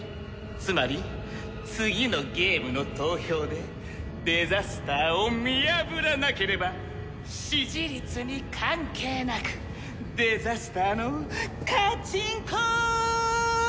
つまり次のゲームの投票でデザスターを見破らなければ支持率に関係なくデザスターのカチンコ！